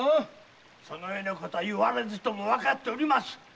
そのようなこと言われずともわかっております！